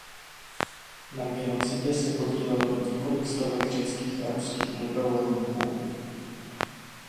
Na genocidě se podílelo i několik stovek řeckých a ruských dobrovolníků.